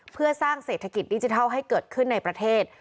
เพื่อสร้างเศรษฐกิจดิจิทัลให้เกิดขึ้นในประเทศ